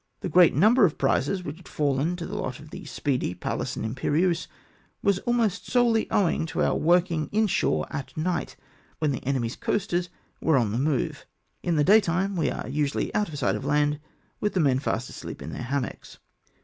The great number of prizes which had fallen to the lot of the Speedy, Pallas, and Imperieiise was almost solely owing to om' working in shore at night, when the enemy's coasters were on the move. In the day time we are usually out of sight of land, with the men fast asleep in their hammocks.